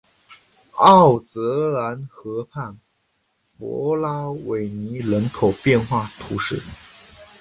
奥泽兰河畔弗拉维尼人口变化图示